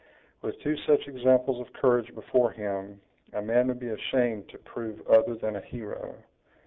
"With two such examples of courage before him, a man would be ashamed to prove other than a hero."